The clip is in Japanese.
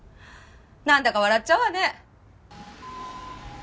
なんだか笑っちゃうわね。